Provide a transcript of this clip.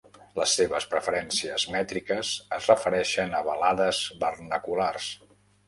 Les seves preferències mètriques es refereixen a balades vernaculars.